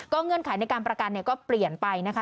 เงื่อนไขในการประกันก็เปลี่ยนไปนะคะ